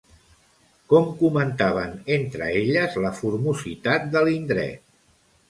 Com comentaven entre elles la formositat de l'indret?